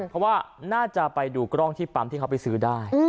เพราะว่าน่าจะไปดูกล้องที่ปั๊มที่เขาไปซื้อได้